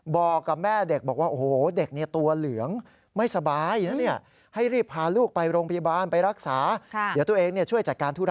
บอกกับแม่เด็กบอกว่าโอ้โฮเด็กนี่ตัวเหลืองไม่สบายนะเนี่ย